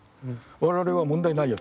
「我々は問題ないよ。